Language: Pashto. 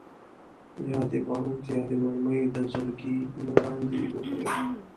یا دي باروت یا دي مرمۍ د زړګي مراندي وخوري